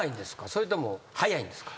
それとも早いんですか？